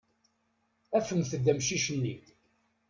Afemt-d amcic-nni.